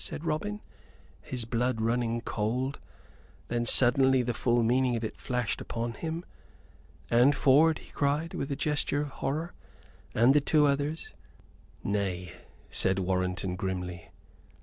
said Robin, his blood running cold. Then suddenly the full meaning of it flashed upon him. "And Ford?" he cried, with a gesture of horror, "and the two others?" "Nay," said Warrenton, grimly.